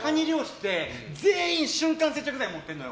全員、瞬間接着剤持ってるのよ。